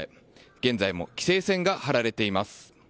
現在も規制線が張られています。